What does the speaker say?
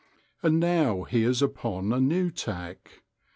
And now he is upon a new tack.